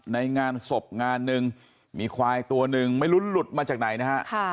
ในงานศพงานหนึ่งมีควายตัวหนึ่งไม่รู้หลุดมาจากไหนนะฮะ